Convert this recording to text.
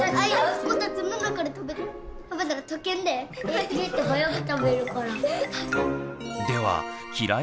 ゆうた早く食べるから。